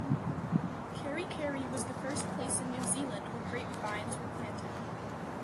Kerikeri was the first place in New Zealand where grape vines were planted.